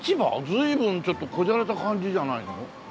随分ちょっとこじゃれた感じじゃないの？